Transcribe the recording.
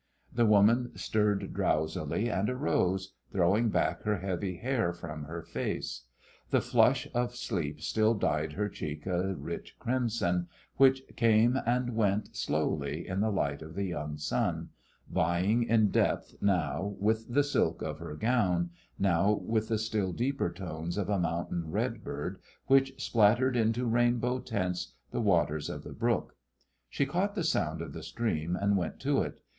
The woman stirred drowsily and arose, throwing back her heavy hair from her face. The flush of sleep still dyed her cheek a rich crimson, which came and went slowly in the light of the young sun, vying in depth now with the silk of her gown, now with the still deeper tones of a mountain red bird which splattered into rainbow tints the waters of the brook. She caught the sound of the stream, and went to it.